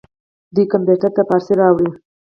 دوی کمپیوټر ته فارسي راوړې.